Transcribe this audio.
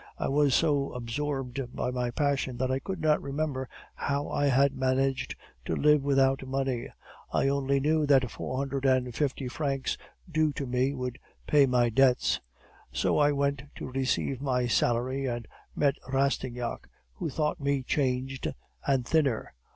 I was so absorbed by my passion, that I could not remember how I had managed to live without money; I only knew that the four hundred and fifty francs due to me would pay my debts. So I went to receive my salary, and met Rastignac, who thought me changed and thinner.